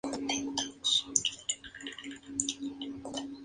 Y aunque nunca he tenido voces robóticas, he tenido muchos elementos electrónicos".